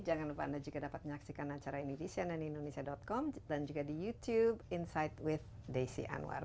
jangan lupa anda juga dapat menyaksikan acara ini di cnnindonesia com dan juga di youtube insight with desi anwar